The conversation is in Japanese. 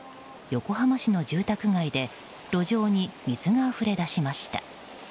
横浜市の住宅街で路上に水があふれ出しました。